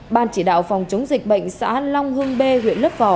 ban chỉ đạo phòng chống dịch bệnh xã long hương b huyện lấp vò